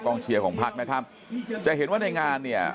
เชียร์ของพักนะครับจะเห็นว่าในงานเนี่ย